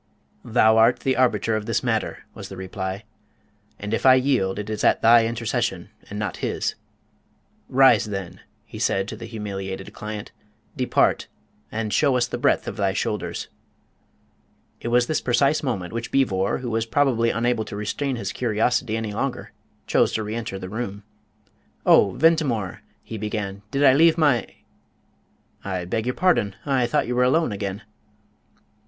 "Thou art the arbiter of this matter," was the reply. "And if I yield, it is at thy intercession, and not his. Rise then," he said to the humiliated client; "depart, and show us the breadth of thy shoulders." It was this precise moment which Beevor, who was probably unable to restrain his curiosity any longer, chose to re enter the room. "Oh, Ventimore," he began, "did I leave my ?... I beg your pardon. I thought you were alone again."